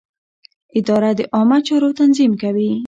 اداره د عامه چارو تنظیم کوي.